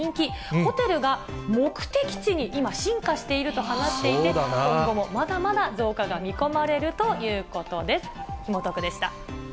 ホテルが、目的地に今、進化していると話していて、今後もまだまだ増加が見込まれるということです。